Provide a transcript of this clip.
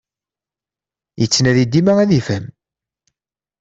Yettnadi dima ad yefhem.